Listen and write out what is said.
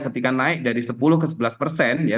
ketika naik dari sepuluh ke sebelas persen ya